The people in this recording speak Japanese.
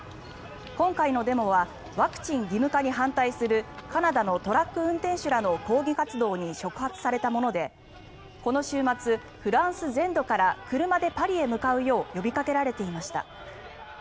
今回のデモはワクチン義務化に反対するカナダのトラック運転手らの抗議活動に触発されたものでこの週末、フランス全土から車でパリへ向かうよう呼びかけられていました。